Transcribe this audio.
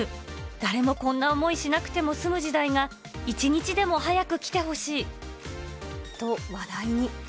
誰もこんな思いしなくても済む時代が一日でも早く来てほしい。と、話題に。